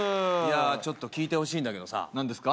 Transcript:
ちょっと聞いてほしいんだけどさ何ですか？